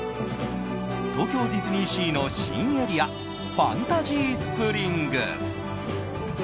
東京ディズニーシーの新エリアファンタジースプリングス。